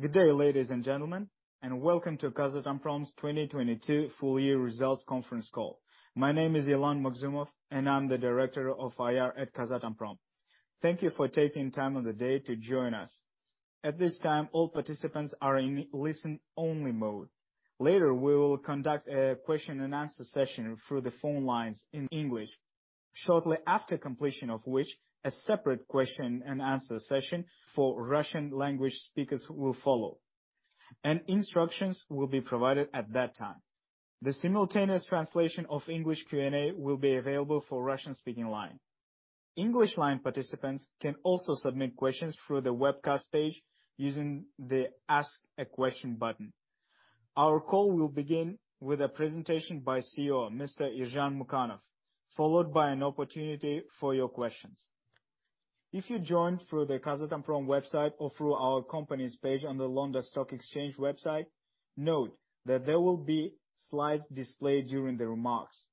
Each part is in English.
Good day, ladies and gentlemen, and welcome to Kazatomprom's 2022 full year results conference call. My name is Botagoz Muldagaliyeva, and I'm the director of IR at Kazatomprom. Thank you for taking time on the day to join us. At this time, all participants are in listen only mode. Later, we will conduct a question and answer session through the phone lines in English. Shortly after completion of which, a separate question and answer session for Russian language speakers will follow, and instructions will be provided at that time. The simultaneous translation of English Q&A will be available for Russian speaking line. English line participants can also submit questions through the webcast page using the Ask a Question button. Our call will begin with a presentation by CEO, Mr. Yerzhan Mukanov, followed by an opportunity for your questions. If you joined through the Kazatomprom website or through our company's page on the London Stock Exchange website, note that there will be slides displayed during the remarks.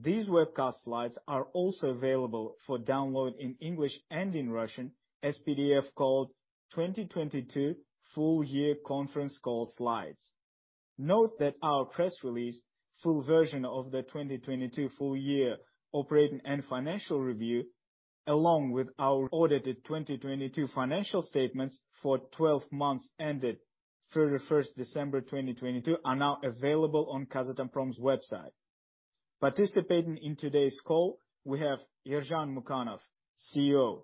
These webcast slides are also available for download in English and in Russian as PDF called 2022 Full Year Conference Call Slides. Note that our press release full version of the 2022 full year operating and financial review, along with our audited 2022 financial statements for 12 months ended 31st December 2022, are now available on Kazatomprom's website. Participating in today's call we have Yerzhan Mukanov, CEO,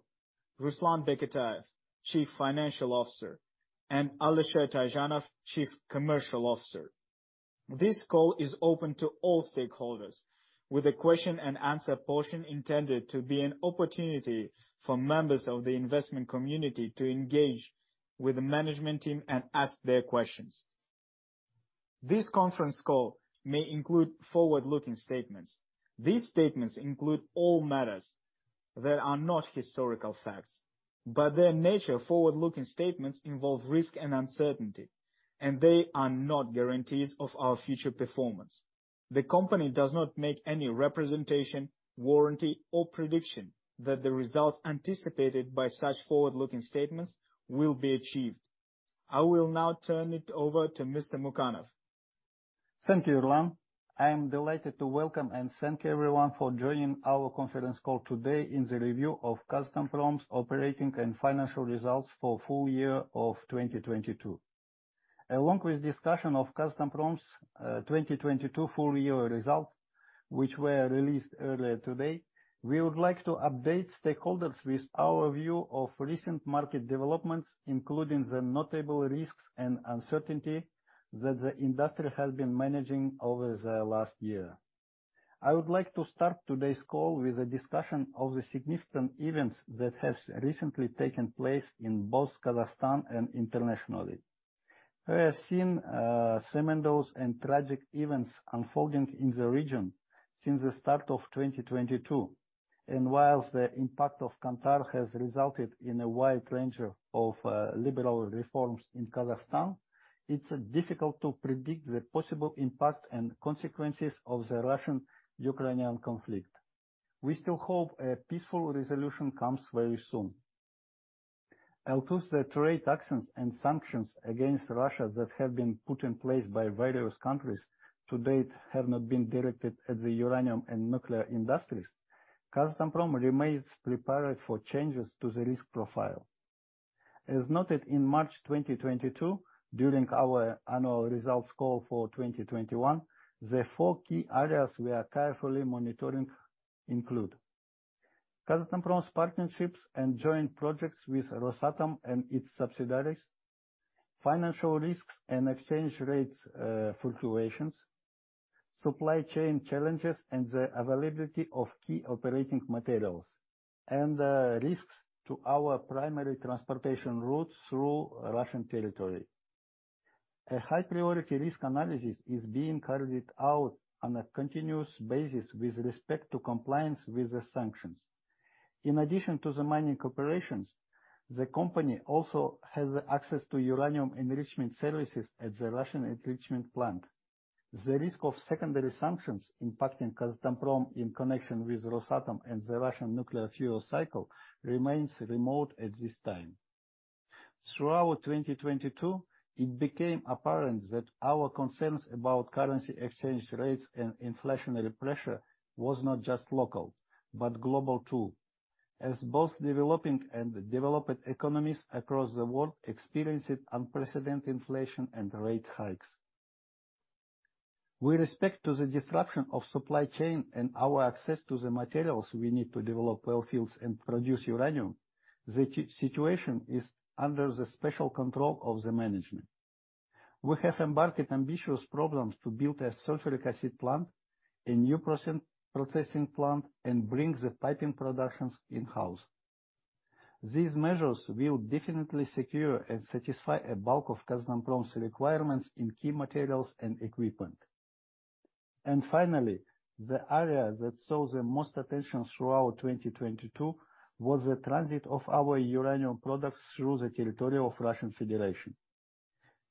Ruslan Beketayev, Chief Financial Officer, and Alisher Taizhanov, Chief Commercial Officer. This call is open to all stakeholders with a question and answer portion intended to be an opportunity for members of the investment community to engage with the management team and ask their questions. This conference call may include forward-looking statements. These statements include all matters that are not historical facts. By their nature, forward-looking statements involve risk and uncertainty, and they are not guarantees of our future performance. The company does not make any representation, warranty or prediction that the results anticipated by such forward-looking statements will be achieved. I will now turn it over to Mr. Mukanov. Thank you, Yerlan. I am delighted to welcome and thank everyone for joining our conference call today in the review of Kazatomprom's operating and financial results for full year of 2022. Along with discussion of Kazatomprom's 2022 full year results, which were released earlier today, we would like to update stakeholders with our view of recent market developments, including the notable risks and uncertainty that the industry has been managing over the last year. I would like to start today's call with a discussion of the significant events that has recently taken place in both Kazakhstan and internationally. We have seen tremendous and tragic events unfolding in the region since the start of 2022. Whilst the impact of Qañtar has resulted in a wide range of liberal reforms in Kazakhstan, it's difficult to predict the possible impact and consequences of the Russian-Ukrainian conflict. We still hope a peaceful resolution comes very soon. Although the trade actions and sanctions against Russia that have been put in place by various countries to date have not been directed at the uranium and nuclear industries, Kazatomprom remains prepared for changes to the risk profile. As noted in March 2022 during our annual results call for 2021, the four key areas we are carefully monitoring include Kazatomprom's partnerships and joint projects with Rosatom and its subsidiaries, financial risks and exchange rates fluctuations, supply chain challenges, and the availability of key operating materials, and risks to our primary transportation routes through Russian territory. A high priority risk analysis is being carried out on a continuous basis with respect to compliance with the sanctions. In addition to the mining operations, the company also has access to uranium enrichment services at the Russian enrichment plant. The risk of secondary sanctions impacting Kazatomprom in connection with Rosatom and the Russian nuclear fuel cycle remains remote at this time. Throughout 2022, it became apparent that our concerns about currency exchange rates and inflationary pressure was not just local, but global too, as both developing and developed economies across the world experienced unprecedented inflation and rate hikes. With respect to the disruption of supply chain and our access to the materials we need to develop oil fields and produce uranium, the situation is under the special control of the management. We have embarked ambitious programs to build a sulfuric acid plant, a new processing plant, and bring the piping productions in-house. These measures will definitely secure and satisfy a bulk of Kazatomprom's requirements in key materials and equipment. Finally, the area that saw the most attention throughout 2022 was the transit of our uranium products through the territory of Russian Federation.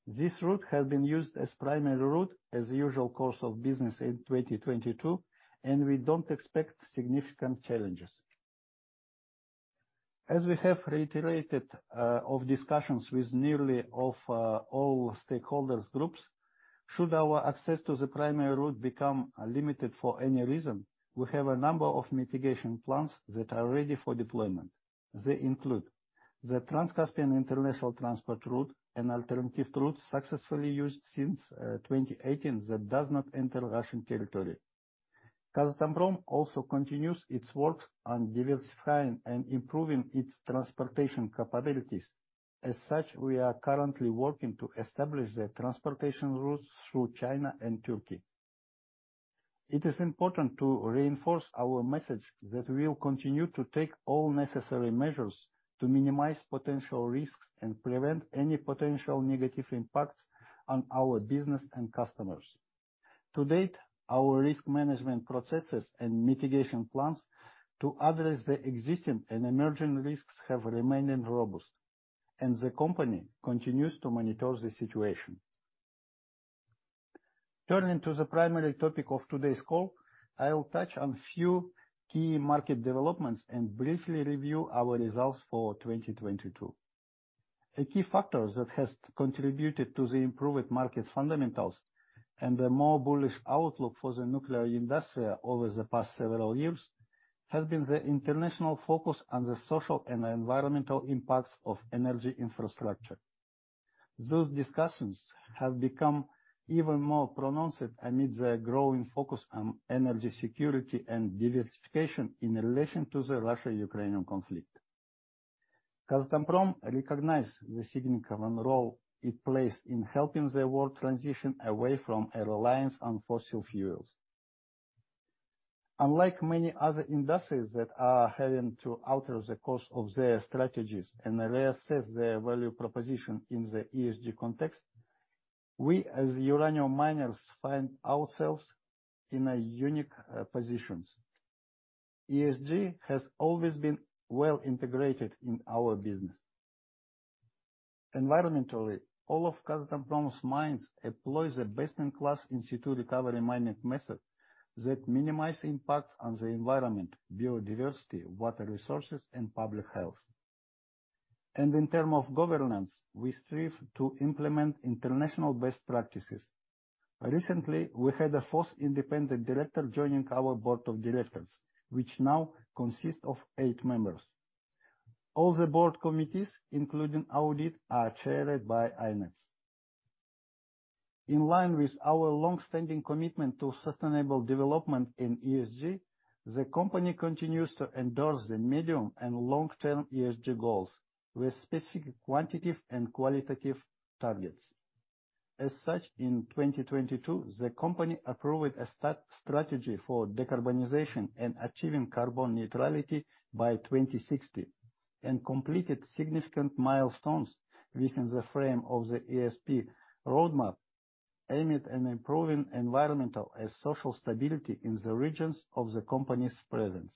This route has been used as primary route as the usual course of business in 2022, and we don't expect significant challenges. As we have reiterated, discussions with nearly all stakeholders groups, should our access to the primary route become limited for any reason, we have a number of mitigation plans that are ready for deployment. They include the Trans-Caspian International Transport Route, an alternative route successfully used since 2018 that does not enter Russian territory. Kazatomprom also continues its work on diversifying and improving its transportation capabilities. As such, we are currently working to establish the transportation routes through China and Turkey. It is important to reinforce our message that we will continue to take all necessary measures to minimize potential risks and prevent any potential negative impacts on our business and customers. To date, our risk management processes and mitigation plans to address the existing and emerging risks have remained robust, and the company continues to monitor the situation. Turning to the primary topic of today's call, I'll touch on few key market developments and briefly review our results for 2022. A key factor that has contributed to the improved market fundamentals and a more bullish outlook for the nuclear industry over the past several years has been the international focus on the social and environmental impacts of energy infrastructure. Those discussions have become even more pronounced amid the growing focus on energy security and diversification in relation to the Russian-Ukrainian conflict. Kazatomprom recognizes the significant role it plays in helping the world transition away from a reliance on fossil fuels. Unlike many other industries that are having to alter the course of their strategies and reassess their value proposition in the ESG context, we, as uranium miners, find ourselves in a unique, positions. ESG has always been well integrated in our business. Environmentally, all of Kazatomprom's mines employ the best-in-class in-situ recovery mining method that minimize impact on the environment, biodiversity, water resources, and public health. In term of governance, we strive to implement international best practices. Recently, we had a fourth independent director joining our board of directors, which now consists of eight members. All the board committees, including audit, are chaired by INEDs. In line with our long-standing commitment to sustainable development in ESG, the company continues to endorse the medium and long-term ESG goals with specific quantitative and qualitative targets. As such, in 2022, the company approved a strategy for decarbonization and achieving carbon neutrality by 2060, and completed significant milestones within the frame of the ESG Roadmap, aimed at improving environmental and social stability in the regions of the company's presence.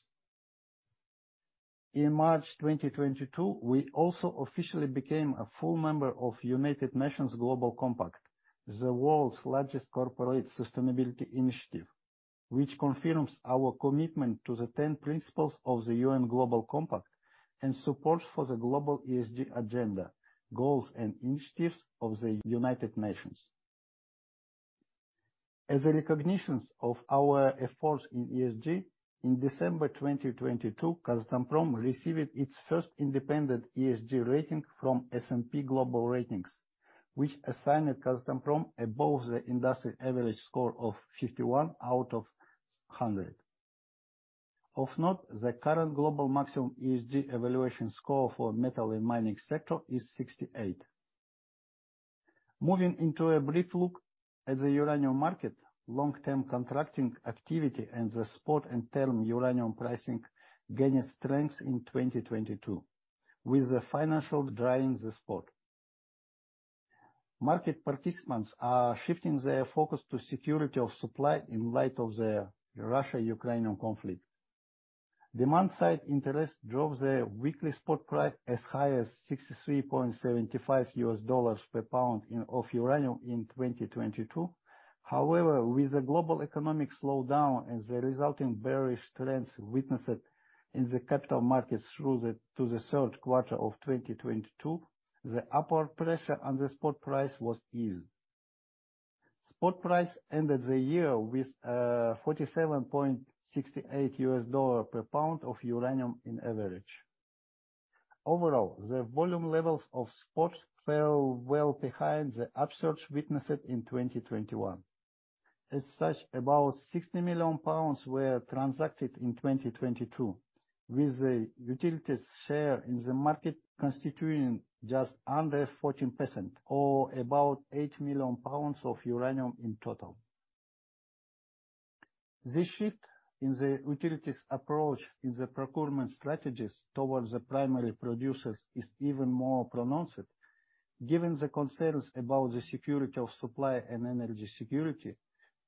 In March 2022, we also officially became a full member of United Nations Global Compact, the world's largest corporate sustainability initiative, which confirms our commitment to the 10 principles of the UN Global Compact and support for the global ESG agenda, goals, and initiatives of the United Nations. As a recognitions of our efforts in ESG, in December 2022, Kazatomprom received its first independent ESG rating from S&P Global Ratings, which assigned Kazatomprom above the industry average score of 51 out of 100. Of note, the current global maximum ESG evaluation score for metal and mining sector is 68. Moving into a brief look at the uranium market, long-term contracting activity in the spot and term uranium pricing gained strength in 2022, with the financial driving the spot. Market participants are shifting their focus to security of supply in light of the Russia-Ukrainian conflict. Demand-side interest drove the weekly spot price as high as $63.75 per pound of uranium in 2022. However, with the global economic slowdown and the resulting bearish trends witnessed in the capital markets to the third quarter of 2022, the upward pressure on the spot price was eased. Spot price ended the year with $47.68 per pound of uranium in average. Overall, the volume levels of spot fell well behind the upsurge witnessed in 2021. As such, about 60 million pounds were transacted in 2022, with the utilities share in the market constituting just under 14%, or about 8 million pounds of uranium in total. The shift in the utilities approach in the procurement strategies towards the primary producers is even more pronounced given the concerns about the security of supply and energy security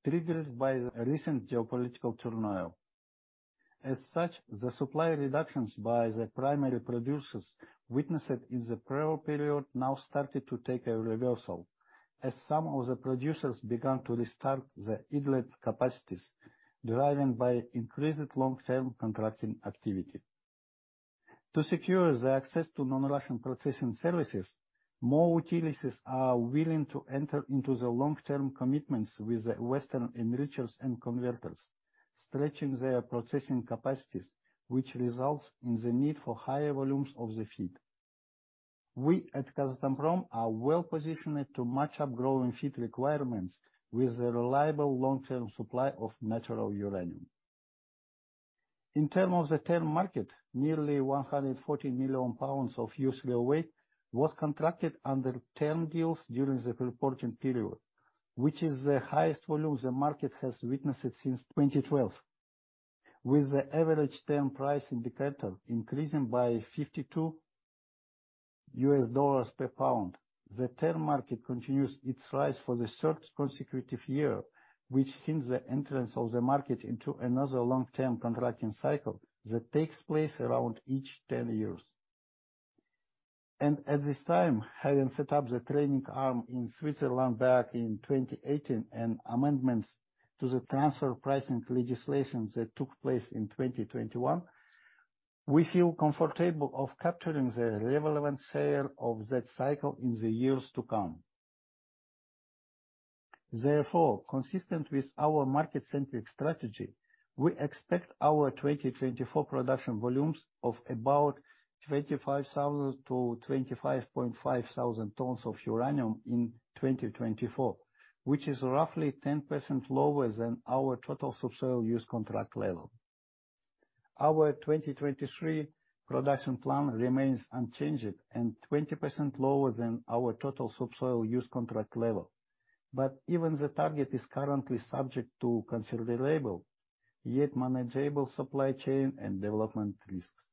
triggered by the recent geopolitical turmoil. The supply reductions by the primary producers witnessed in the prior period now started to take a reversal as some of the producers began to restart their idled capacities, driven by increased long-term contracting activity. To secure the access to non-Russian processing services, more utilities are willing to enter into the long-term commitments with the Western enrichers and converters, stretching their processing capacities, which results in the need for higher volumes of the feed. We at Kazatomprom are well positioned to match up growing feed requirements with a reliable long-term supply of natural uranium. In term of the term market, nearly 140 million pounds of U3O8 was contracted under term deals during the reporting period, which is the highest volume the market has witnessed since 2012. With the average term price indicator increasing by $52 per pound, the term market continues its rise for the 3rd consecutive year, which hints the entrance of the market into another long-term contracting cycle that takes place around each 10 years. At this time, having set up the trading arm in Switzerland back in 2018 and amendments to the transfer pricing legislation that took place in 2021, we feel comfortable of capturing the relevant share of that cycle in the years to come. Therefore, consistent with our market-centric strategy, we expect our 2024 production volumes of about 25,000 tons-25,500 tons of uranium in 2024, which is roughly 10% lower than our total subsoil use contract level. Our 2023 production plan remains unchanged and 20% lower than our total subsoil use contract level. Even the target is currently subject to considerable, yet manageable supply chain and development risks.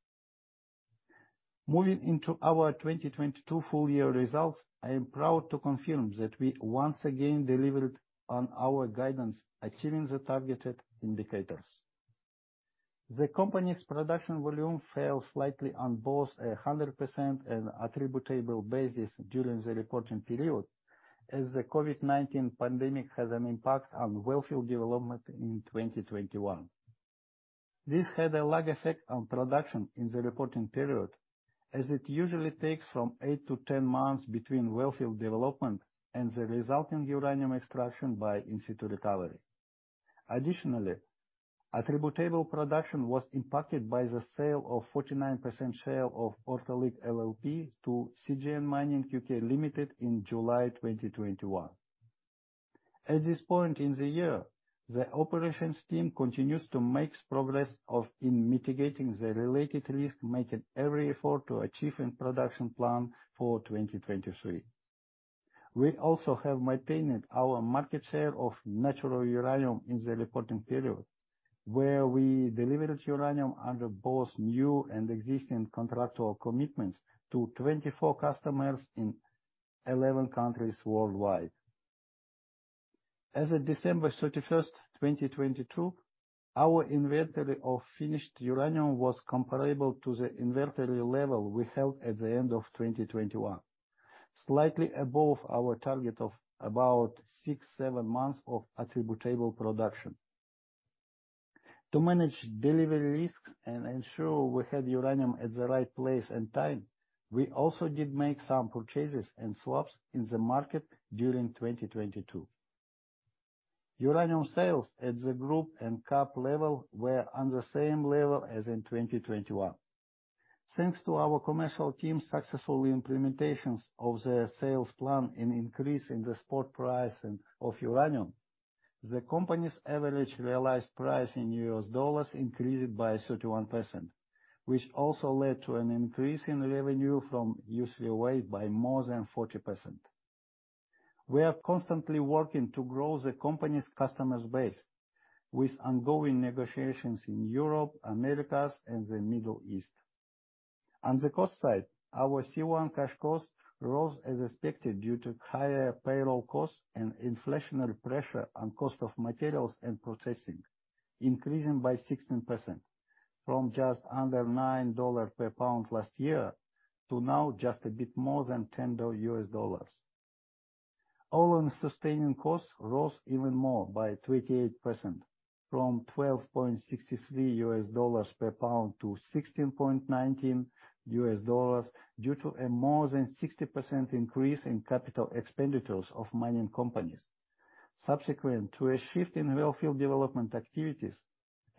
Moving into our 2022 full year results, I am proud to confirm that we once again delivered on our guidance, achieving the targeted indicators. The company's production volume fell slightly on both a 100% and attributable basis during the reporting period, as the COVID-19 pandemic has an impact on wellfield development in 2021. This had a lag effect on production in the reporting period, as it usually takes from 8 to 10 months between wellfield development and the resulting uranium extraction by in-situ recovery. Additionally, attributable production was impacted by the sale of 49% share of Ortalyk LLP to CGN Mining Company UK Limited in July 2021. At this point in the year, the operations team continues to make progress in mitigating the related risk, making every effort to achieve a production plan for 2023. We have maintained our market share of natural uranium in the reporting period, where we delivered uranium under both new and existing contractual commitments to 24 customers in 11 countries worldwide. As of December 31st, 2022, our inventory of finished uranium was comparable to the inventory level we held at the end of 2021, slightly above our target of about six, seven months of attributable production. To manage delivery risks and ensure we have uranium at the right place and time, we did make some purchases and swaps in the market during 2022. Uranium sales at the group and KAP level were on the same level as in 2021. Thanks to our commercial team's successful implementations of their sales plan and increase in the spot pricing of uranium, the company's average realized price in US dollars increased by 31%, which also led to an increase in revenue from U3O8 by more than 40%. We are constantly working to grow the company's customers base with ongoing negotiations in Europe, Americas, and the Middle East. On the cost side, our C1 cash cost rose as expected due to higher payroll costs and inflationary pressure on cost of materials and processing, increasing by 16% from just under $9 per pound last year to now just a bit more than $10. All-in Sustaining costs rose even more by 28% from $12.63 per pound to $16.19 due to a more than 60% increase in capital expenditures of mining companies, subsequent to a shift in wellfield development activities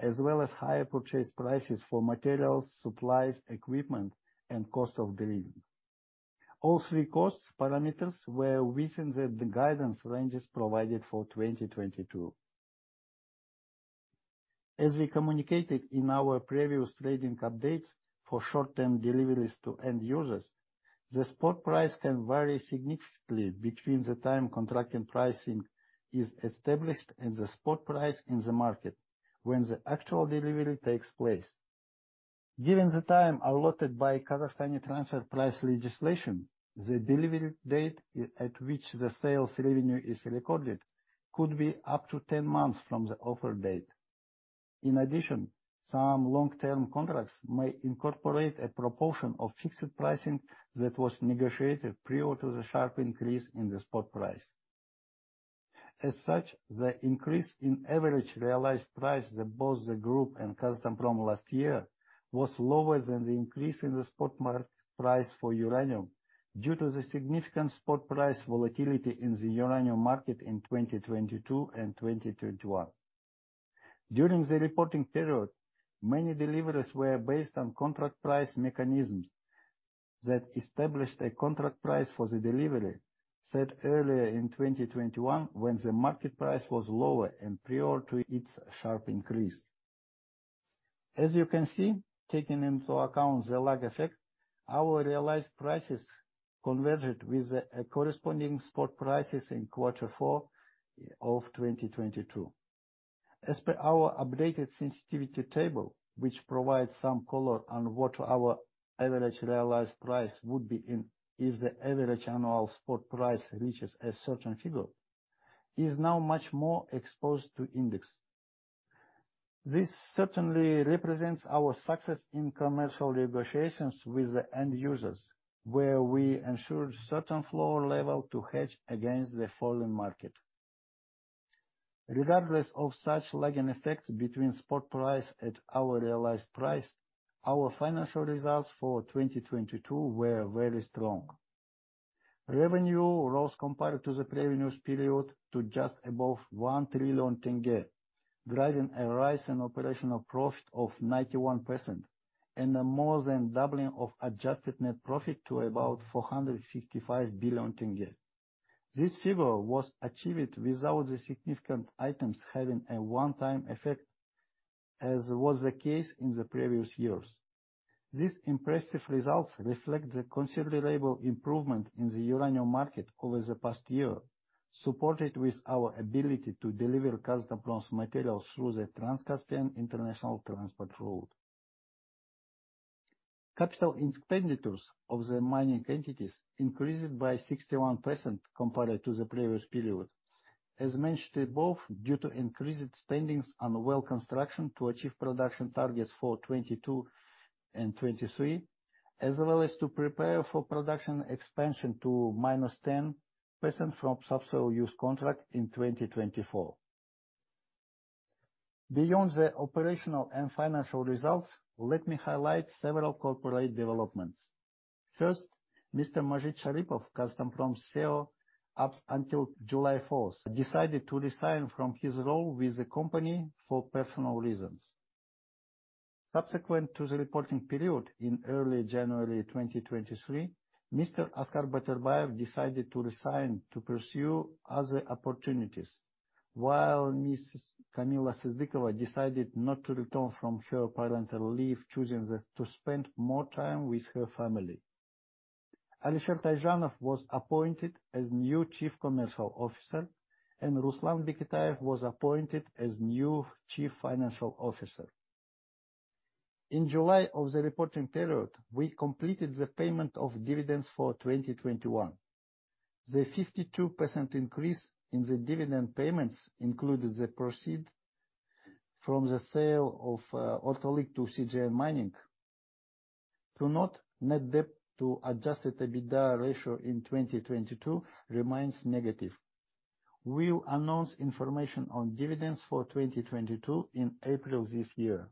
as well as higher purchase prices for materials, supplies, equipment, and cost of delivery. All three costs parameters were within the guidance ranges provided for 2022. As we communicated in our previous trading updates for short-term deliveries to end users, the spot price can vary significantly between the time contracting pricing is established and the spot price in the market when the actual delivery takes place. Given the time allotted by Kazakhstani transfer pricing legislation, the delivery date at which the sales revenue is recorded could be up to 10 months from the offer date. In addition, some long-term contracts may incorporate a proportion of fixed pricing that was negotiated prior to the sharp increase in the spot price. As such, the increase in average realized price that both the group and Kazatomprom last year was lower than the increase in the spot mark price for uranium due to the significant spot price volatility in the uranium market in 2022 and 2021. During the reporting period, many deliveries were based on contract price mechanisms that established a contract price for the delivery set earlier in 2021 when the market price was lower and prior to its sharp increase. As you can see, taking into account the lag effect, our realized prices converged with the corresponding spot prices in quarter four of 2022. As per our updated sensitivity table, which provides some color on what our average realized price would be in if the average annual spot price reaches a certain figure, is now much more exposed to index. This certainly represents our success in commercial negotiations with the end users, where we ensure certain floor level to hedge against the falling market. Regardless of such lagging effects between spot price at our realized price, our financial results for 2022 were very strong. Revenue rose compared to the previous period to just above KZT 1 trillion, driving a rise in operational profit of 91% and a more than doubling of Adjusted Net Profit to about KZT 465 billion. This figure was achieved without the significant items having a one-time effect, as was the case in the previous years. These impressive results reflect the considerable improvement in the uranium market over the past year, supported with our ability to deliver Kazatomprom's materials through the Trans-Caspian International Transport route. Capital expenditures of the mining entities increased by 61% compared to the previous period. As mentioned above, due to increased spendings on well construction to achieve production targets for 2022 and 2023, as well as to prepare for production expansion to -10% from subsoil use contract in 2024. Beyond the operational and financial results, let me highlight several corporate developments. First, Mr. Mazhit Sharipov, Kazatomprom's CEO up until July 4, decided to resign from his role with the company for personal reasons. Subsequent to the reporting period in early January 2023, Mr. Askar Batyrbayev decided to resign to pursue other opportunities, while Ms. Kamila Syzdykova decided not to return from her parental leave, choosing to spend more time with her family. Alisher Taizhanov was appointed as new Chief Commercial Officer, and Ruslan Beketayev was appointed as new Chief Financial Officer. In July of the reporting period, we completed the payment of dividends for 2021. The 52% increase in the dividend payments included the proceed from the sale of Ortalyk to CGN Mining. To note, net debt to adjusted EBITDA ratio in 2022 remains negative. We'll announce information on dividends for 2022 in April this year.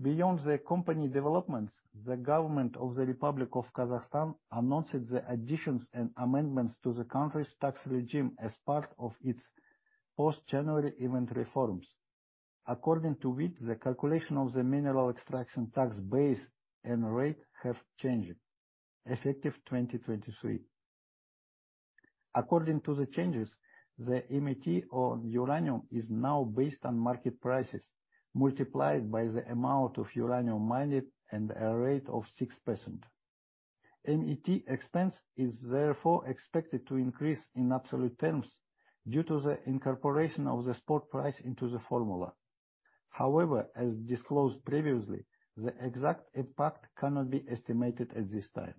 Beyond the company developments, the government of the Republic of Kazakhstan announced the additions and amendments to the country's tax regime as part of its post-Qantar event reforms, according to which the calculation of the Mineral Extraction Tax base and rate have changed, effective 2023. According to the changes, the MET on uranium is now based on market prices multiplied by the amount of uranium mined at a rate of 6%. MET expense is therefore expected to increase in absolute terms due to the incorporation of the spot price into the formula. However, as disclosed previously, the exact impact cannot be estimated at this time.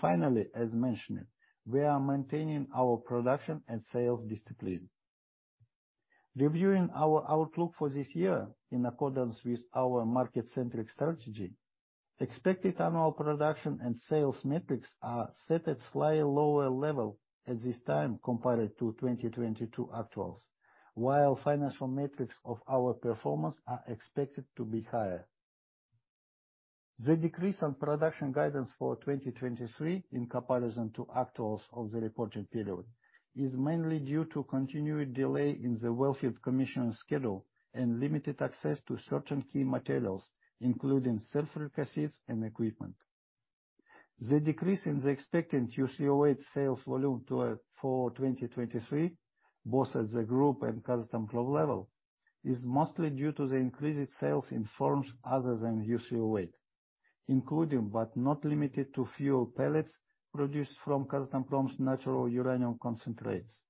Finally, as mentioned, we are maintaining our production and sales discipline. Reviewing our outlook for this year in accordance with our market-centric strategy, expected annual production and sales metrics are set at slightly lower level at this time compared to 2022 actuals, while financial metrics of our performance are expected to be higher. The decrease in production guidance for 2023 in comparison to actuals of the reported period is mainly due to continued delay in the wellfield commissioning schedule and limited access to certain key materials, including sulfuric acid and equipment. The decrease in the expected U3O8 sales volume for 2023, both at the group and Kazatomprom level, is mostly due to the increased sales in forms other than U3O8, including but not limited to fuel pellets produced from Kazatomprom's natural uranium concentrates.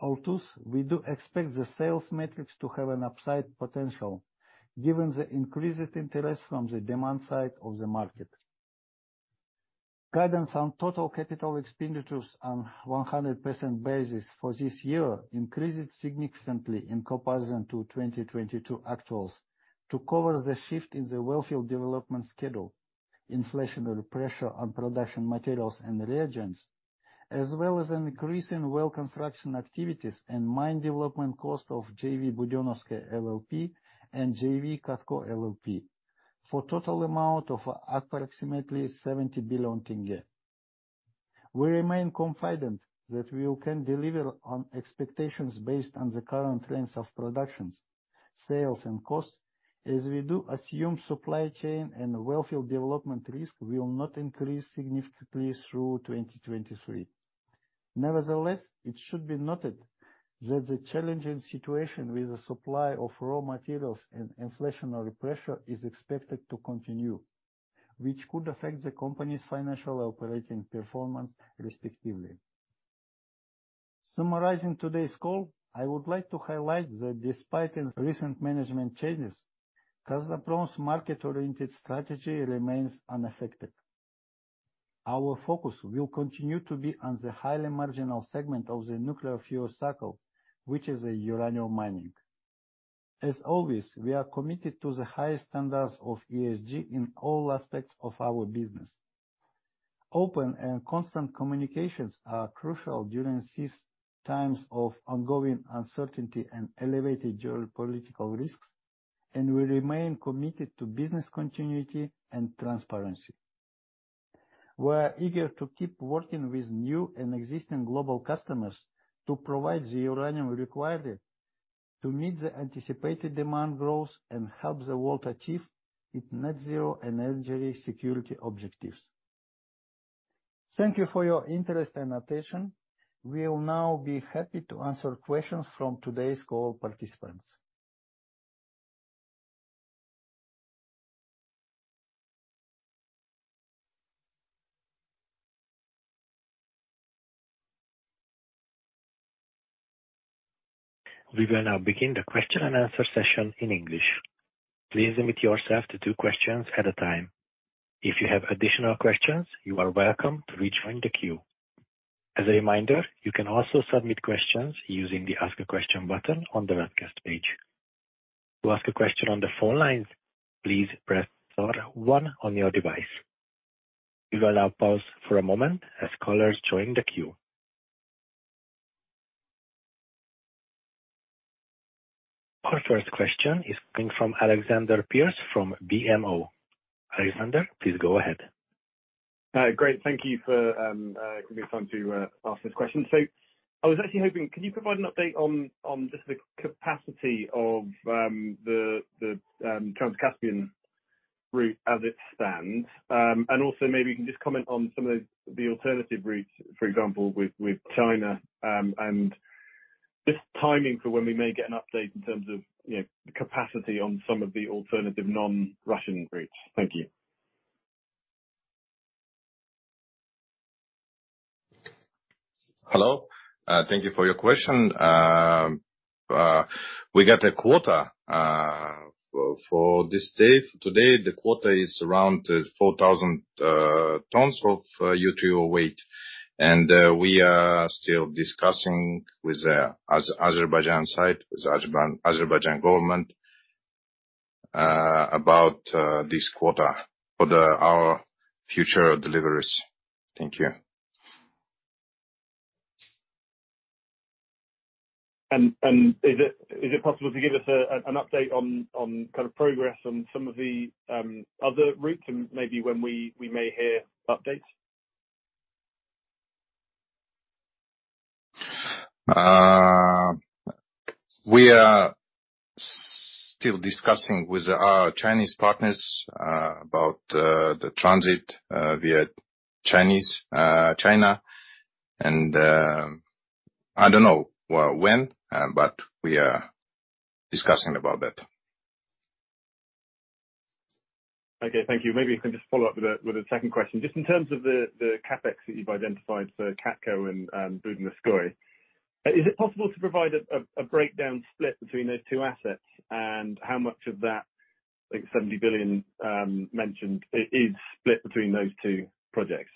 Although we do expect the sales metrics to have an upside potential given the increased interest from the demand side of the market. Guidance on total capital expenditures on 100% basis for this year increased significantly in comparison to 2022 actuals to cover the shift in the wellfield development schedule. Inflationary pressure on production materials and reagents, as well as an increase in well construction activities and mine development cost of JV Budenovskoye LLP and JV Katco LLP for total amount of approximately KZT 70 billion. We remain confident that we can deliver on expectations based on the current trends of productions, sales and costs, as we do assume supply chain and wellfield development risk will not increase significantly through 2023. Nevertheless, it should be noted that the challenging situation with the supply of raw materials and inflationary pressure is expected to continue, which could affect the company's financial operating performance, respectively. Summarizing today's call, I would like to highlight that despite its recent management changes, Kazatomprom's market-oriented strategy remains unaffected. Our focus will continue to be on the highly marginal segment of the nuclear fuel cycle, which is a uranium mining. As always, we are committed to the highest standards of ESG in all aspects of our business. Open and constant communications are crucial during these times of ongoing uncertainty and elevated geopolitical risks, and we remain committed to business continuity and transparency. We are eager to keep working with new and existing global customers to provide the uranium required to meet the anticipated demand growth and help the world achieve its net zero energy security objectives. Thank you for your interest and attention. We will now be happy to answer questions from today's call participants. We will now begin the question and answer session in English. Please limit yourself to two questions at a time. If you have additional questions, you are welcome to rejoin the queue. As a reminder, you can also submit questions using the Ask a Question button on the webcast page. To ask a question on the phone lines, please press star one on your device. We will now pause for a moment as callers join the queue. Our first question is coming from Alexander Pearce from BMO. Alexander, please go ahead. Great. Thank you for giving me time to ask this question. I was actually hoping, could you provide an update on just the capacity of the Trans-Caspian route as it stands? Also maybe you can just comment on some of the alternative routes, for example, with China, and just timing for when we may get an update in terms of, you know, capacity on some of the alternative non-Russian routes. Thank you. Hello. Thank you for your question. We got a quota for this day. Today, the quota is around 4,000 tons of U3O8, we are still discussing with the Azerbaijan side, Azerbaijan government about this quota for our future deliveries. Thank you. Is it possible to give us an update on kind of progress on some of the other routes and maybe when we may hear updates? We are still discussing with our Chinese partners about the transit via Chinese China, and I don't know when, but we are discussing about that. Okay. Thank you. Maybe I can just follow up with a second question. Just in terms of the CapEx that you've identified for KATCO and Budenovskoye, is it possible to provide a breakdown split between those two assets and how much of that, like, KZT 70 billion mentioned is split between those two projects?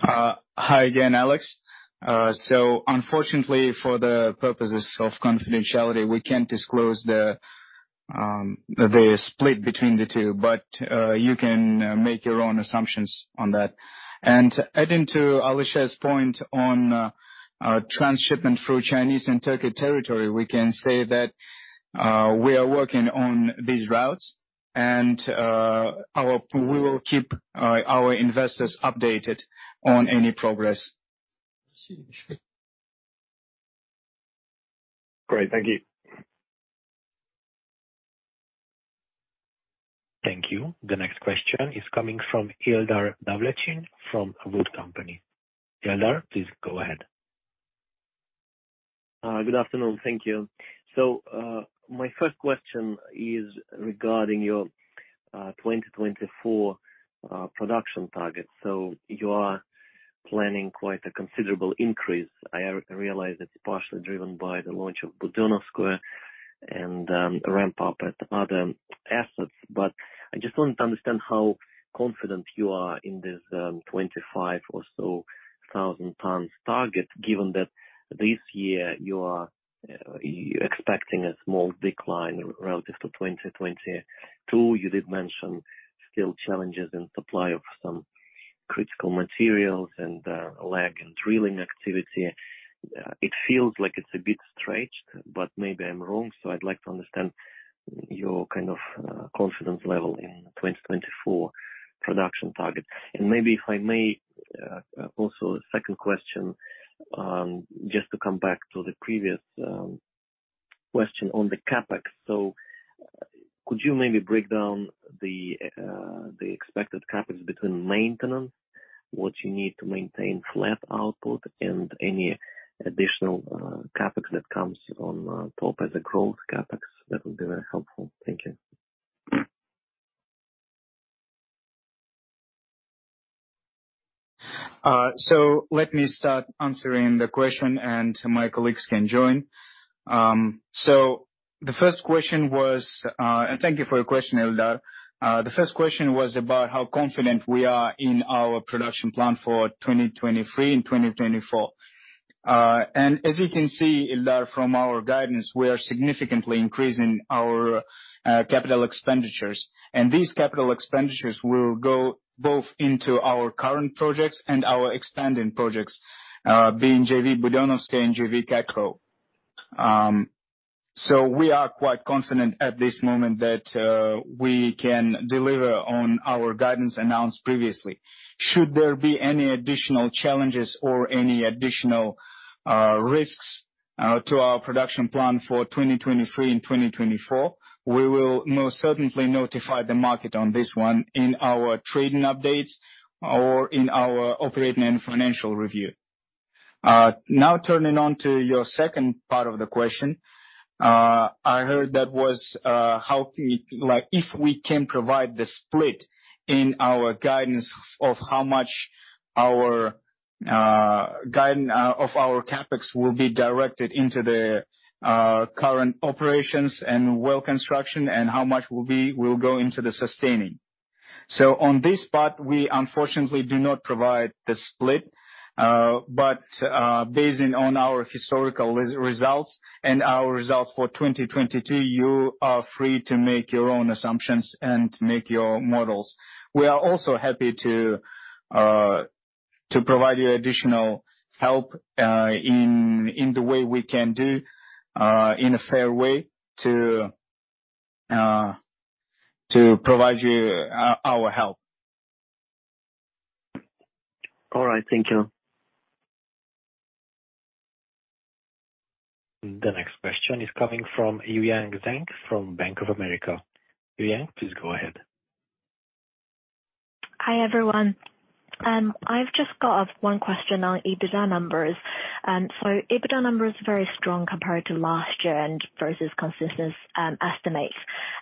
Hi again, Alex. Unfortunately, for the purposes of confidentiality, we can't disclose the split between the two, but you can make your own assumptions on that. Adding to Alisher's point on transshipment through Chinese and Turkey territory, we can say that we are working on these routes and we will keep our investors updated on any progress. Great. Thank you. Thank you. The next question is coming from Ildar Davletshin from WOOD & Company. Ildar, please go ahead. Good afternoon. Thank you. My first question is regarding your 2024 production targets. You are planning quite a considerable increase. I realize it's partially driven by the launch of Budenovskoye and ramp-up at other assets, but I just want to understand how confident you are in this 25,000 or so tons target, given that this year you are expecting a small decline relative to 2022. You did mention skill challenges and supply of some critical materials and lag in drilling activity. It feels like it's a bit stretched, but maybe I'm wrong. I'd like to understand your kind of confidence level in 2024 production target. Maybe if I may, also a second question, just to come back to the previous question on the CapEx. Could you maybe break down the expected CapEx between maintenance, what you need to maintain flat output, and any additional CapEx that comes on top as a growth CapEx? That would be very helpful. Thank you. Let me start answering the question and my colleagues can join. The first question was, and thank you for your question, Ildar. The first question was about how confident we are in our production plan for 2023 and 2024. As you can see, Ildar, from our guidance, we are significantly increasing our capital expenditures. These capital expenditures will go both into our current projects and our expanding projects, being JV Budenovskoye and JV Katco. We are quite confident at this moment that we can deliver on our guidance announced previously. Should there be any additional challenges or any additional risks to our production plan for 2023 and 2024, we will most certainly notify the market on this one in our trading updates or in our operating and financial review. Now turning on to your second part of the question. I heard that was like, if we can provide the split in our guidance of how much our CapEx will be directed into the current operations and well construction and how much will go into the sustaining. On this part, we unfortunately do not provide the split, but basing on our historical results and our results for 2022, you are free to make your own assumptions and make your models. We are also happy to provide you additional help in the way we can do in a fair way to provide you our help. All right. Thank you. The next question is coming from Yuyang Zheng from Bank of America. Yuyang, please go ahead. Hi, everyone. I've just got one question on EBITDA numbers. EBITDA numbers are very strong compared to last year and versus consensus estimates.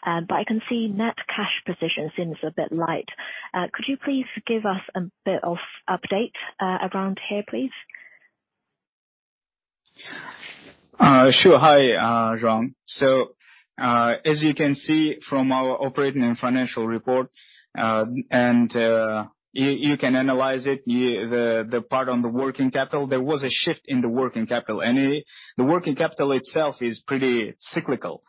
I can see net cash position seems a bit light. Could you please give us a bit of update around here, please? Sure. Hi, Zheng. As you can see from our operating and financial report, and you can analyze it, the part on the working capital, there was a shift in the working capital. The working capital itself is pretty cyclical,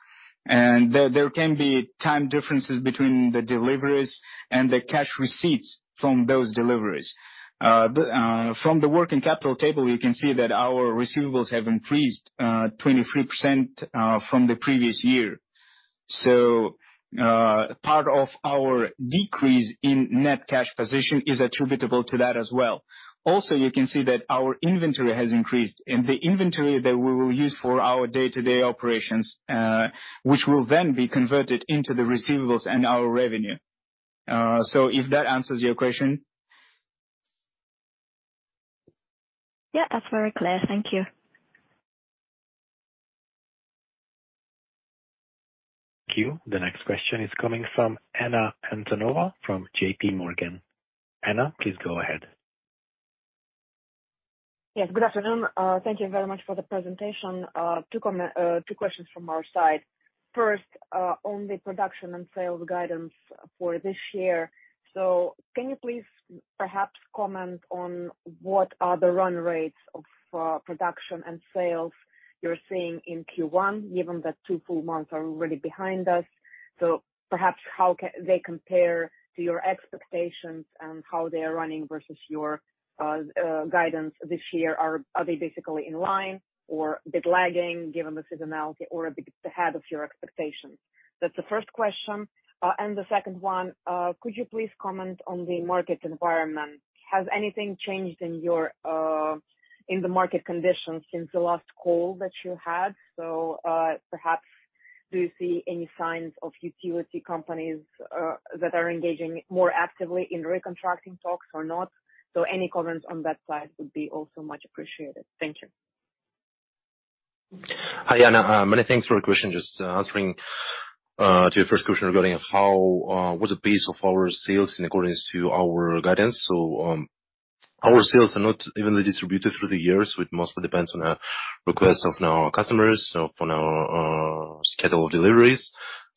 and there can be time differences between the deliveries and the cash receipts from those deliveries. From the working capital table, you can see that our receivables have increased 23% from the previous year. Part of our decrease in net cash position is attributable to that as well. Also, you can see that our inventory has increased. The inventory that we will use for our day-to-day operations, which will then be converted into the receivables and our revenue. If that answers your question. Yeah, that's very clear. Thank you. Thank you. The next question is coming from Anna Antonova from JPMorgan. Anna, please go ahead. Yes, good afternoon. Thank you very much for the presentation. two questions from our side. First, on the production and sales guidance for this year. Can you please perhaps comment on what are the run rates of production and sales you're seeing in Q1, given that two full months are already behind us? Perhaps how they compare to your expectations and how they are running versus your guidance this year. Are they basically in line or a bit lagging given the seasonality or a bit ahead of your expectations? That's the first question. The second one, could you please comment on the market environment? Has anything changed in your in the market conditions since the last call that you had? Perhaps do you see any signs of utility companies that are engaging more actively in recontracting talks or not? Any comments on that slide would be also much appreciated. Thank you. Hi, Anna. Many thanks for your question. Just answering to your first question regarding how was the pace of our sales in accordance to our guidance. Our sales are not evenly distributed through the years. It mostly depends on the requests of our customers, so on our scheduled deliveries.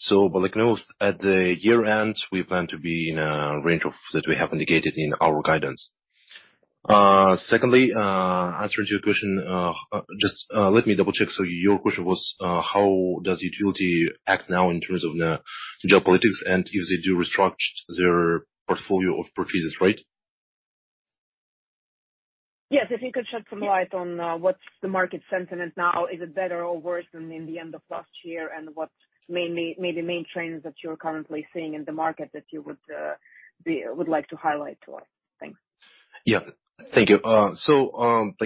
But like, you know, at the year-end, we plan to be in a range of that we have indicated in our guidance. Secondly, answering to your question, just let me double-check. Your question was, how does utility act now in terms of the geopolitics and if they do restructure their portfolio of purchases, right? Yes. If you could shed some light on, what's the market sentiment now? Is it better or worse than in the end of last year? What's mainly, maybe main trends that you're currently seeing in the market that you would like to highlight to us? Thanks. Yeah. Thank you. Like,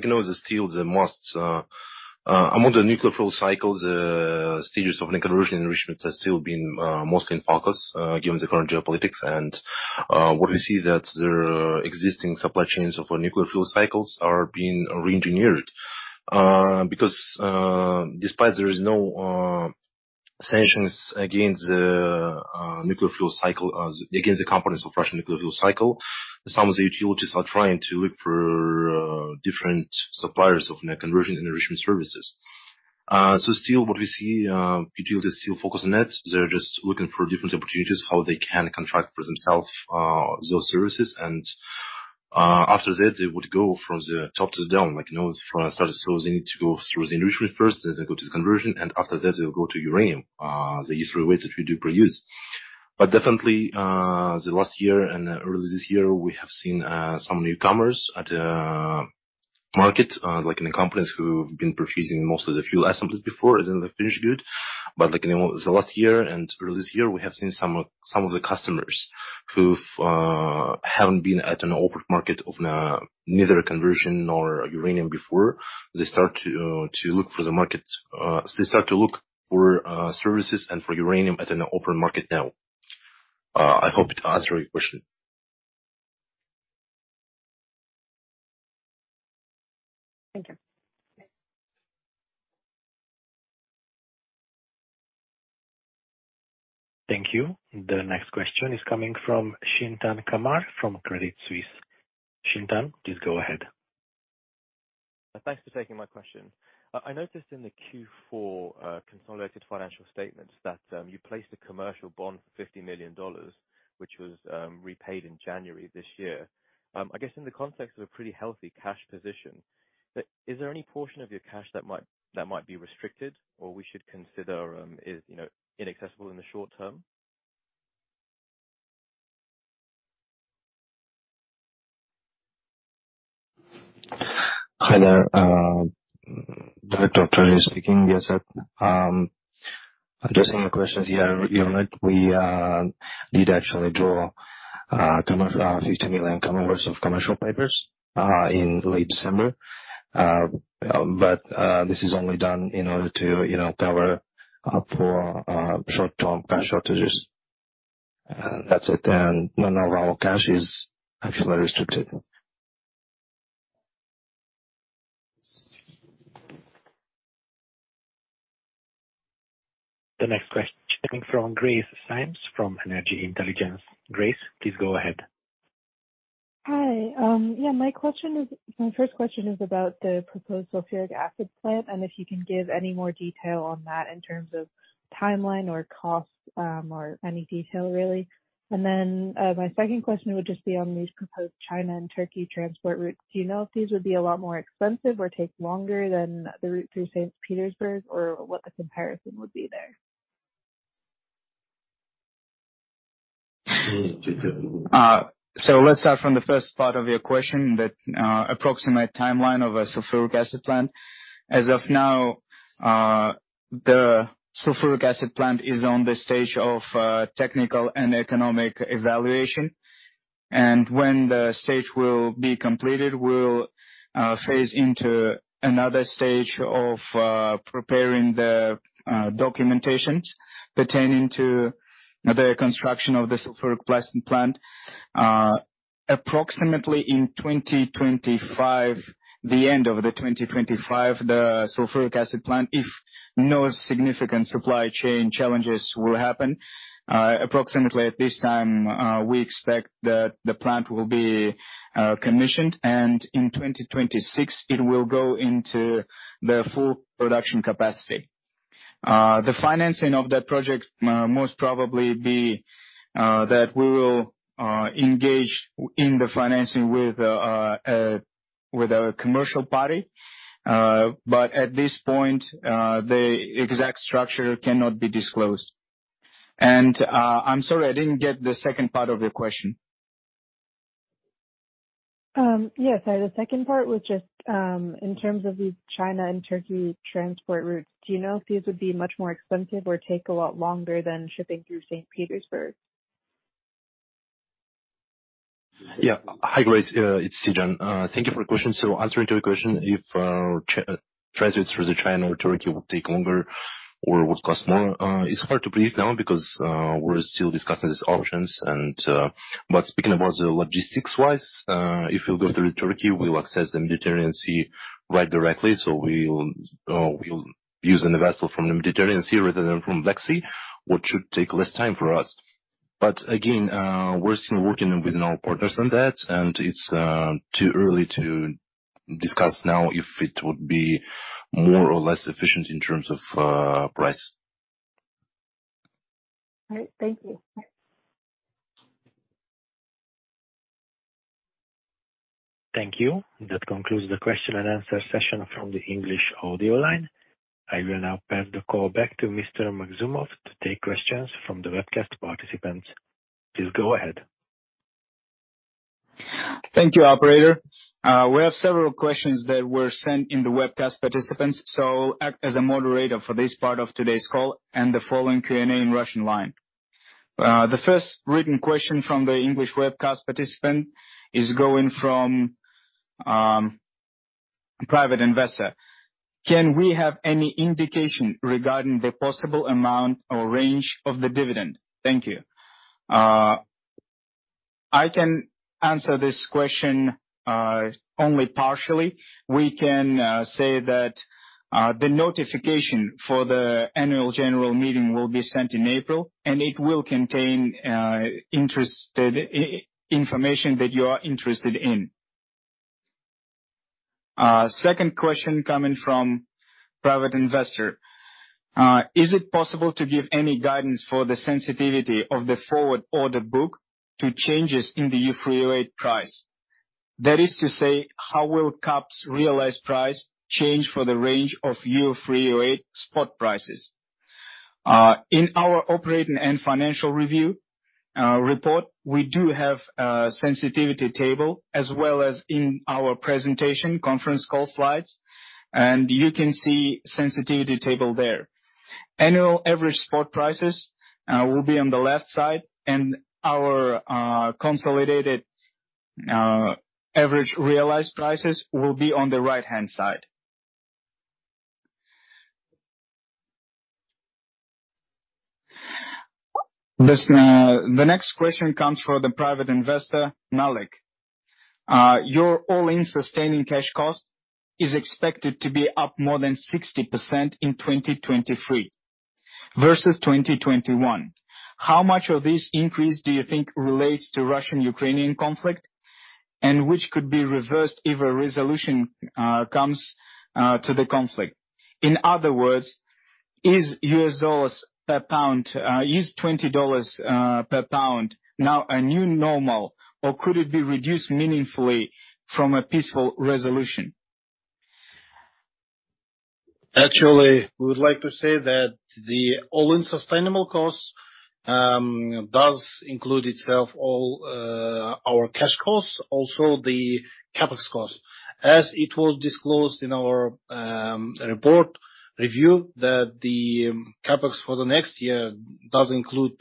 you know, the steel is the most among the nuclear fuel cycles, stages of conversion enrichment has still been mostly in focus, given the current geopolitics. What we see that their existing supply chains of our nuclear fuel cycles are being reengineered. Because despite there is no sanctions against nuclear fuel cycle, against the components of Russian nuclear fuel cycle, some of the utilities are trying to look for different suppliers of conversion and enrichment services. Still what we see, utilities still focus on it. They're just looking for different opportunities, how they can contract for themselves, those services. After that, they would go from the top to the down. Like, you know, for start closing to go through the enrichment first, then they go to the conversion, after that they'll go to uranium. The usual way that we do produce. Definitely, the last year and early this year, we have seen some newcomers at market, like, you know, companies who've been purchasing mostly the fuel assemblies before as in the finished good. Like in the last year and early this year, we have seen some of the customers who've haven't been at an open market of neither conversion nor uranium before, they start to look for the market. They start to look for services and for uranium at an open market now. I hope it answered your question. Thank you. Thank you. The next question is coming from Chintan Khamar from Credit Suisse. Chintan, please go ahead. Thanks for taking my question. I noticed in the Q4 consolidated financial statements that you placed a commercial bond for $50 million, which was repaid in January this year. I guess in the context of a pretty healthy cash position, is there any portion of your cash that might be restricted or we should consider, you know, inaccessible in the short term? Hi there, Director speaking. Yes, sir. Addressing your questions here, you're right. We did actually draw $50 million commercial bonds in late December. This is only done in order to, you know, cover up for short-term cash shortages. That's it. None of our cash is actually restricted. The next question coming from Grace Symes from Energy Intelligence. Grace, please go ahead. Hi. My first question is about the proposed sulfuric acid plant and if you can give any more detail on that in terms of timeline or cost, or any detail really. Then, my second question would just be on these proposed China and Turkey transport routes. Do you know if these would be a lot more expensive or take longer than the route through St. Petersburg or what the comparison would be there? Let's start from the first part of your question, that approximate timeline of a sulfuric acid plant. As of now, the sulfuric acid plant is on the stage of technical and economic evaluation. When the stage will be completed, we'll phase into another stage of preparing the documentations pertaining to the construction of the sulfuric acid plant. Approximately in 2025, the end of 2025, the sulfuric acid plant, if no significant supply chain challenges will happen, approximately at this time, we expect that the plant will be commissioned, and in 2026 it will go into the full production capacity. The financing of that project, most probably be that we will engage in the financing with a commercial party. At this point, the exact structure cannot be disclosed. I'm sorry, I didn't get the second part of your question. Yes. The second part was just in terms of these China and Turkey transport routes, do you know if these would be much more expensive or take a lot longer than shipping through St. Petersburg? Yeah. Hi, Grace, it's Sijin. Thank you for your question. Answering to your question, if transits through China or Turkey will take longer or would cost more, it's hard to believe now because we're still discussing these options. Speaking about the logistics-wise, if you go through Turkey, we'll access the Mediterranean Sea right directly. We'll be using a vessel from the Mediterranean Sea rather than from Black Sea, which should take less time for us. Again, we're still working with our partners on that, and it's too early to discuss now if it would be more or less efficient in terms of price. All right. Thank you. Thank you. That concludes the question and answer session from the English audio line. I will now pass the call back to Mr. Magzumov to take questions from the webcast participants. Please go ahead. Thank you, operator. We have several questions that were sent in the webcast participants, I'll act as a moderator for this part of today's call and the following Q&A in Russian line. The first written question from the English webcast participant is going from a private investor. Can we have any indication regarding the possible amount or range of the dividend? Thank you. I can answer this question only partially. We can say that the notification for the annual general meeting will be sent in April, it will contain information that you are interested in. Second question coming from private investor. Is it possible to give any guidance for the sensitivity of the forward order book to changes in the U3O8 price? That is to say, how will CAP's realized price change for the range of U3O8 spot prices? In our operating and financial review report, we do have a sensitivity table as well as in our presentation conference call slides, and you can see sensitivity table there. Annual average spot prices will be on the left side, and our consolidated average realized prices will be on the right-hand side. Listen, the next question comes from the private investor, Malik. Your all-in sustaining cash cost is expected to be up more than 60% in 2023 versus 2021. How much of this increase do you think relates to Russian-Ukrainian conflict, and which could be reversed if a resolution comes to the conflict? In other words, is yours dollars per pound, is $20 per pound now a new normal or could it be reduced meaningfully from a peaceful resolution? Actually, we would like to say that the All-in sustainable cost, does include itself all, our cash costs, also the CapEx costs. As it was disclosed in our report review that the CapEx for the next year does include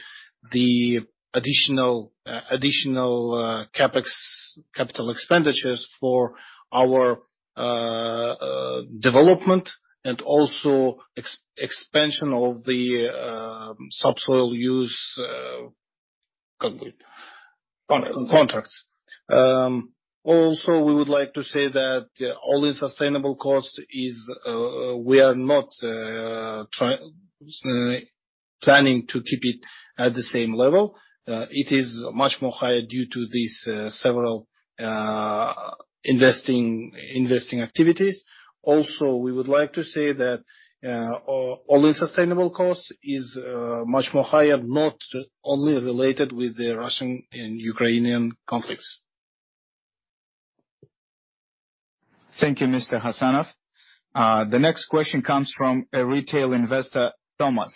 the additional, CapEx capital expenditures for our development and also expansion of the subsoil use. Contracts. Contracts. Also, we would like to say that All-in Sustaining cash cost is we are not planning to keep it at the same level. It is much more higher due to these several investing activities. Also, we would like to say that All-in Sustaining cash cost is much more higher, not only related with the Russian and Ukrainian conflicts. Thank you, Mr. Hassanov. The next question comes from a retail investor, Thomas.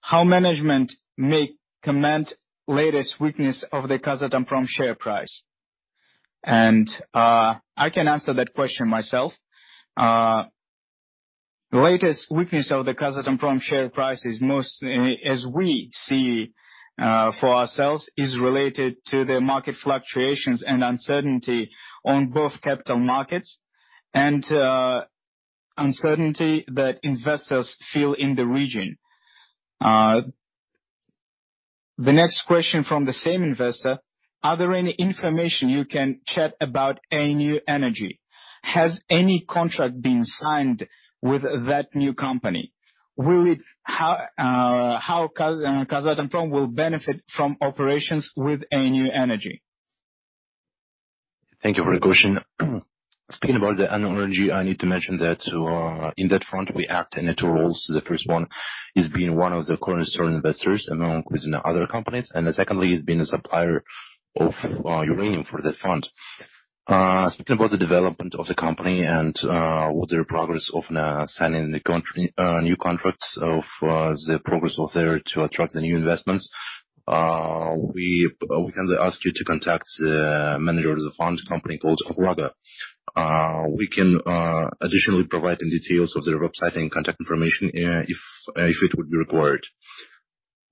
How management make comment latest weakness of the Kazatomprom share price? I can answer that question myself. The latest weakness of the Kazatomprom share price is most, as we see, for ourselves, is related to the market fluctuations and uncertainty on both capital markets and uncertainty that investors feel in the region. The next question from the same investor: Are there any information you can chat about ANU Energy? Has any contract been signed with that new company? How Kazatomprom will benefit from operations with ANU Energy? Thank you for the question. Speaking about the energy, I need to mention that in that front, we act in two roles. The first one is being one of the cornerstone investors among with the other companies, and then secondly is being a supplier of uranium for that front. Speaking about the development of the company and with their progress of signing the country, new contracts of the progress of their to attract the new investments, we can ask you to contact the manager of the fund company called Agraga. We can additionally provide the details of their website and contact information if it would be required.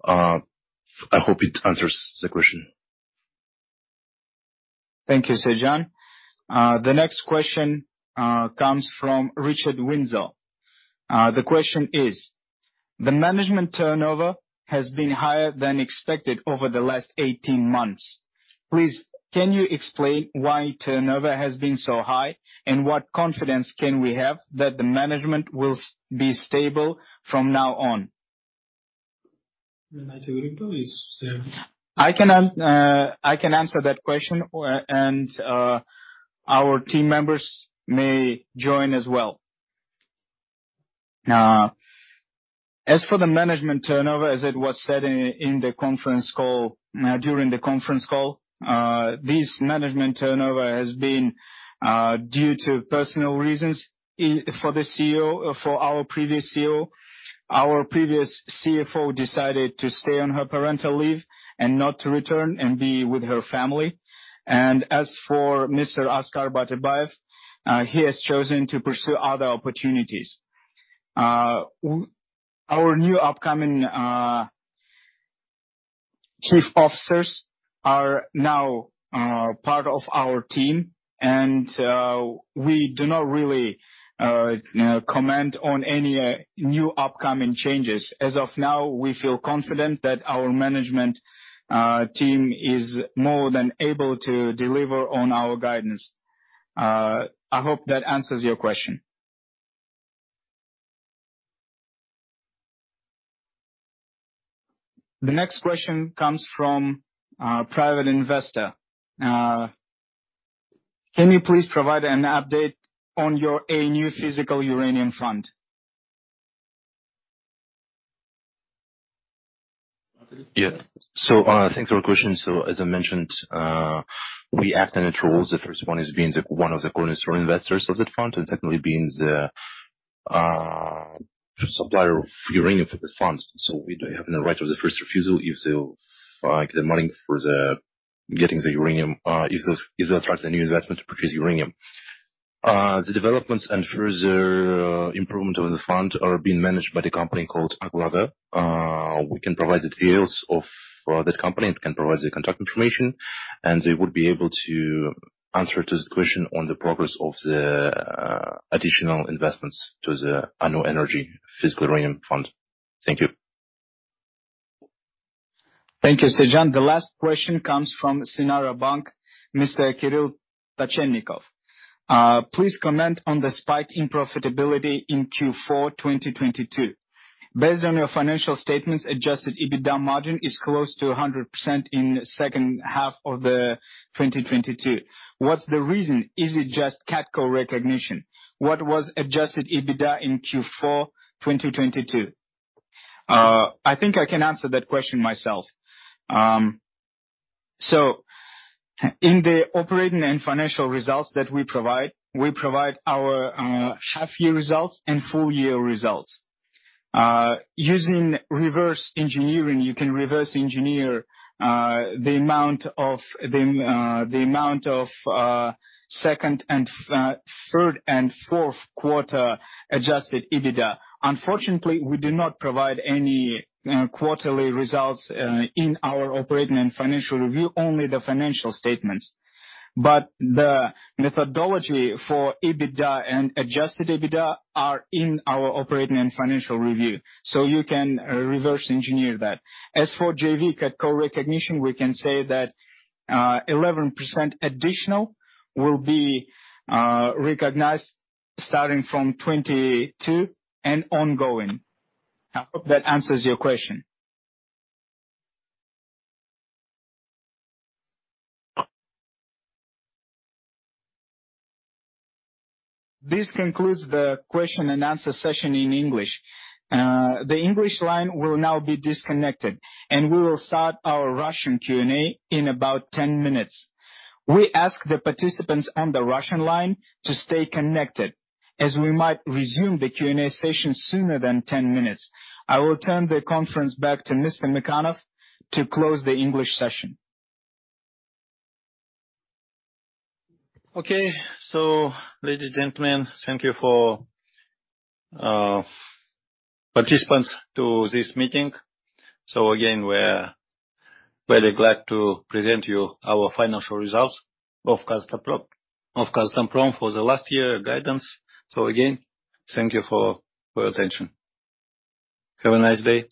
I hope it answers the question. Thank you, Sajan. The next question comes from Richard Windsor. The question is: The management turnover has been higher than expected over the last 18 months. Please, can you explain why turnover has been so high, and what confidence can we have that the management will be stable from now on? Please, Sam. I can answer that question, and our team members may join as well. As for the management turnover, as it was said in the conference call, during the conference call, this management turnover has been due to personal reasons for the CEO, for our previous CEO. Our previous CFO decided to stay on her parental leave and not to return and be with her family. As for Mr. Askar Batyrbayev, he has chosen to pursue other opportunities. Our new upcoming chief officers are now part of our team and we do not really comment on any new upcoming changes. As of now, we feel confident that our management team is more than able to deliver on our guidance. I hope that answers your question. The next question comes from, private investor. Can you please provide an update on your ANU Physical Uranium Fund? Thanks for the question. As I mentioned, we act on it roles. The first one is being the one of the cornerstone investors of that fund, and secondly being the supplier of uranium for the fund. We do have the right of the first refusal if they'll find the money for the getting the uranium, if they'll attract a new investment to purchase uranium. The developments and further improvement of the fund are being managed by the company called Agraga. We can provide the details for that company. It can provide the contact information, and they would be able to answer to the question on the progress of the additional investments to the ANU Energy Physical Uranium Fund. Thank you. Thank you, Sajan. The last question comes from Sinara Bank, Mr. Kirill Pechennikov. Please comment on the spike in profitability in Q4, 2022. Based on your financial statements, adjusted EBITDA margin is close to 100% in second half of 2022. What's the reason? Is it just KATCO recognition? What was adjusted EBITDA in Q4, 2022? I think I can answer that question myself. In the operating and financial results that we provide, we provide our half year results and full year results. Using reverse engineering, you can reverse engineer the amount of second and third and fourth quarter adjusted EBITDA. Unfortunately, we do not provide any quarterly results in our operating and financial review, only the financial statements. The methodology for EBITDA and adjusted EBITDA are in our operating and financial review. You can reverse engineer that. As for JV Katco recognition, we can say that 11% additional will be recognized starting from 2022 and ongoing. I hope that answers your question. This concludes the question and answer session in English. The English line will now be disconnected, and we will start our Russian Q&A in about 10 minutes. We ask the participants on the Russian line to stay connected as we might resume the Q&A session sooner than 10 minutes. I will turn the conference back to Mr. Mukanov to close the English session. Okay. ladies and gentlemen, thank you for participants to this meeting. Again, we're very glad to present you our financial results of Kazatomprom for the last year guidance. Again, thank you for your attention. Have a nice day.